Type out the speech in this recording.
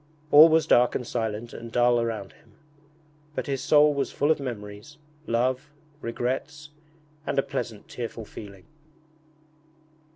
All was dark and silent and dull around him, but his soul was full of memories, love, regrets, and a pleasant tearful feeling.